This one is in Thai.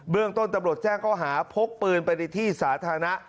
เรื่องต้นตำรวจแจ้งเขาหาพกปืนไปในที่สาธารณะ